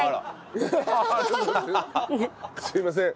すみません。